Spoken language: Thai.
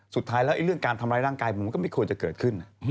สุดท้ายแล้วเรื่องการทำร้ายร่างกายมันก็ไม่ควรจะเกิดขึ้น